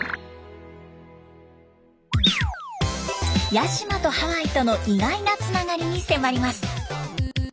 八島とハワイとの意外なつながりに迫ります。